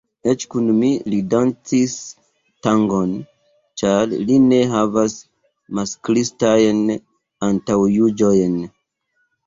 Eĉ kun mi li dancis tangon, ĉar li ne havas masklistajn antaŭjuĝojn.